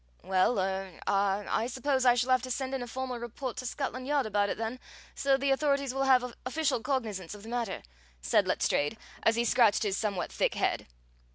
"Well, er ah, I suppose I shall have to send in a formal report to Scotland Yard about it, then, so the authorities will have official cognizance of the matter," said Letstrayed, as he scratched his somewhat thick head.